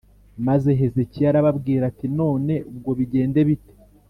Maze Hezekiya arababwira ati None ubwo bigende bite